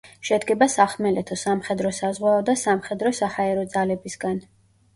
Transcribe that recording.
შედგება სახმელეთო, სამხედრო-საზღვაო და სამხედრო-საჰაერო ძალებისგან.